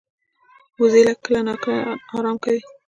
وزې کله ناکله آرام کوي